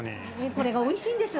これが美味しいんですよ